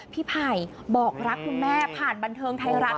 ไผ่บอกรักคุณแม่ผ่านบันเทิงไทยรัฐ